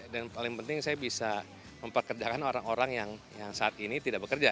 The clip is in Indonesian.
dan paling penting saya bisa memperkerjakan orang orang yang saat ini tidak bekerja